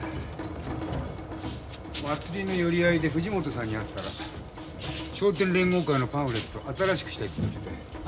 祭りの寄り合いで藤本さんに会ったら商店連合会のパンフレット新しくしたいって言ってたよ。